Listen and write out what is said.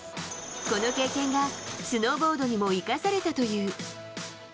この経験がスノーボードにも生かされたという。